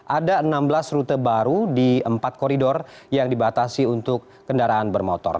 ada enam belas rute baru di empat koridor yang dibatasi untuk kendaraan bermotor